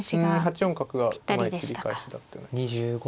８四角がうまい切り返しだったような気がします。